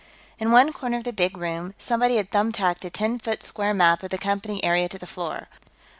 In one corner of the big room, somebody had thumbtacked a ten foot square map of the Company area to the floor.